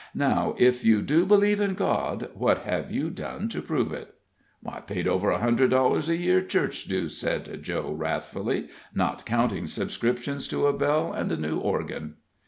Now, if you do believe in God, what have you done to prove it?" "I've paid over a hundred dollars a year church dues," said Joe, wrathfully, "not counting subscriptions to a bell and a new organ."